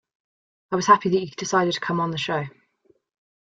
I was happy that you decided to come on the show.